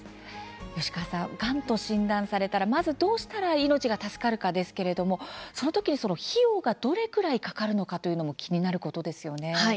吉川さん、がんと診断されたらまずどうすれば命が助かるかですけれどもその費用がどれくらいかかるかというのも気になりますよね。